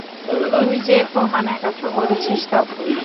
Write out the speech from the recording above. তুই যে প্রমাণ একত্র করেছিস তা ভুল!